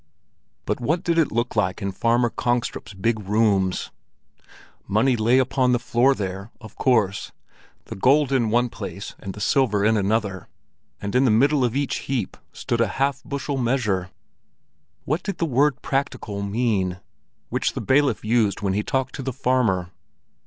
But what did it look like in Farmer Kongstrup's big rooms? Money lay upon the floor there, of course, the gold in one place and the silver in another; and in the middle of each heap stood a half bushel measure. What did the word "practical" mean, which the bailiff used when he talked to the farmer?